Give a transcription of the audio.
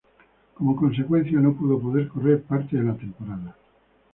Como consecuencia no pudo poder correr parte de la temporada.